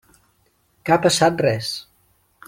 Que ha passat res?